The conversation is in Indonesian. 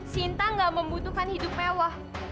sinta gak membutuhkan hidup mewah